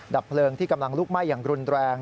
ดับเพลิงที่กำลังลุกไหม้อย่างรุนแรง